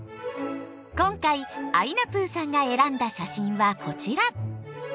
今回あいなぷぅさんが選んだ写真はこちら。